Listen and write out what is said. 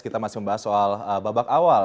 kita masih membahas soal babak awal